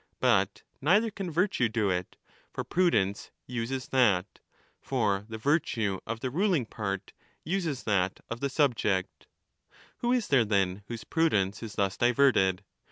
But neither can virtue do it, for pru dence uses that ; for the virtue of the ruling part uses that of the subject. Who is there then whose prudence is thus diverted